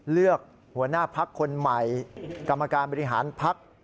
เลือกหัวหน้าพักคนใหม่กรรมการบริหารพัก